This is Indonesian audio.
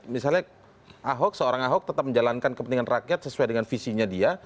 misalnya ahok seorang ahok tetap menjalankan kepentingan rakyat sesuai dengan visinya dia